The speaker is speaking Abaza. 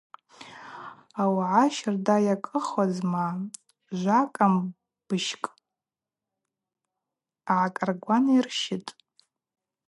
Ауагӏа щарда йакӏыхуазма – жвакӏамбыщкӏ гӏакӏаргван йырщытӏ.